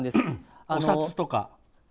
お札とか。